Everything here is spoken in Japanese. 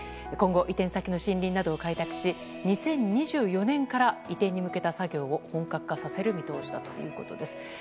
今後、移転先の森林などを開拓し２０２４年から移転に向けた作業を本格化させる見通しです。